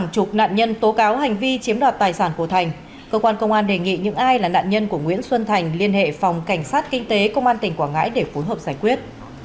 chiếm đoạt tài sản của thành cơ quan công an đề nghị những ai là nạn nhân của nguyễn xuân thành liên hệ phòng cảnh sát kinh tế công an tỉnh quảng ngãi để phối hợp giải quyết